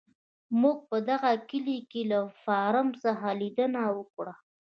موږ په دغه کلي کې له فارم څخه لیدنه وکړه.